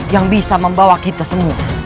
yang bisa membawa kita semua